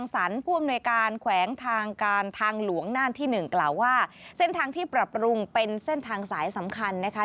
เส้นทางที่ปรับปรุงเป็นเส้นทางสายสำคัญนะคะ